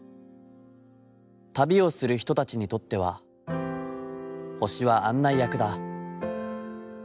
旅をする人たちにとっては、星は案内役だ。